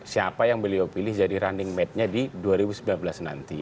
siapa yang beliau pilih jadi running made nya di dua ribu sembilan belas nanti